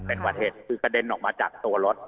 เป็นบาดเจ็บคือกระเด็นออกมาจากตัวรถ